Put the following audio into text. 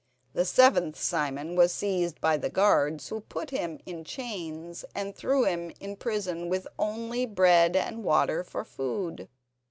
The seventh Simon was seized by the guards, who put him in chains and threw him in prison with only bread and water for food.